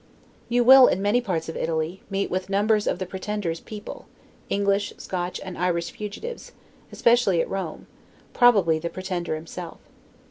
You will, in many parts of Italy, meet with numbers of the Pretender's people (English, Scotch, and Irish fugitives), especially at Rome; probably the Pretender himself.